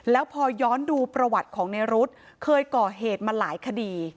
แล้วพอย้อนดูประวัติของในรุ๊ดเคยก่อเหตุมาหลายคดี